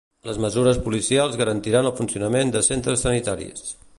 Les mesures policials garantiran el funcionament de centres sanitaris.